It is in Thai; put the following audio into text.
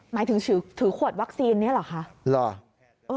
หมายถึงถือถือขวดวักซีนนี้หรอคะล่ะ